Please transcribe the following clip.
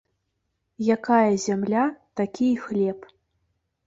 Якая зямля ‒ такі і хлеб